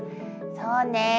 そうね。